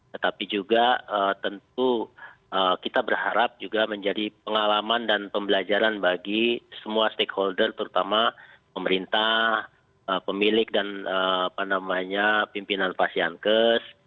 tetapi juga tentu kita berharap juga menjadi pengalaman dan pembelajaran bagi semua stakeholder terutama pemerintah pemilik dan pimpinan pasien kes